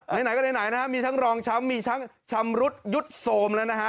ไหนก็ไหนนะฮะมีทั้งรองช้ำมีทั้งชำรุดยุดโทรมแล้วนะฮะ